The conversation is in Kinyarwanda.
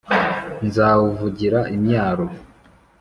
nzawvugira imyaro ,